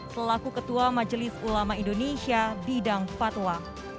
selaku ketua majelis ulama indonesia bidang fatwa